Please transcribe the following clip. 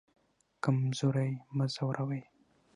کمزوری مه ځوروئ